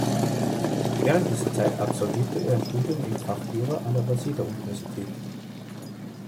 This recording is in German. Während dieser Zeit absolvierte er ein Studium im Fach Jura an der Waseda Universität.